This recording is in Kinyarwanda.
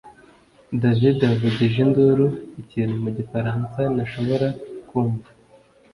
davide yavugije induru ikintu mu gifaransa ntashobora kumva